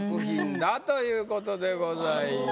だということでございます。